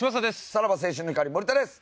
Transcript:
さらば青春の光森田です。